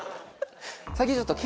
最近ちょっと。